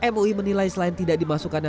mui menilai selain tidak dimasukkannya